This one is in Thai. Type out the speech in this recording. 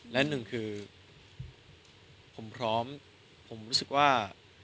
และหนึ่งคือผมพร้อมผมรู้สึกว่า